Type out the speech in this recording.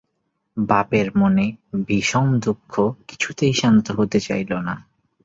বাপের মনে বিষম দুঃখ কিছুতেই শান্ত হতে চাইল না।